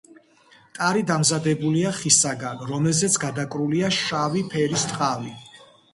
ტარი დამზადებულია ხისაგან, რომელზეც გადაკრულია შავი ფერის ტყავი.